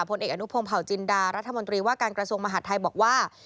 ผลเอกอนุพงศ์เผาจินดารัฐมนตรีว่าการกระทรวงมหาดไทยบอกว่า